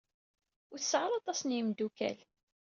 Ur tesɛa ara aṭas n yimdukal.